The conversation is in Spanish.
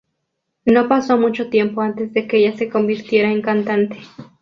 No pasó mucho tiempo antes de que ella se convirtiera en cantante.